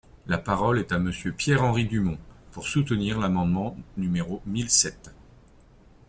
La parole est à Monsieur Pierre-Henri Dumont, pour soutenir l’amendement numéro mille sept.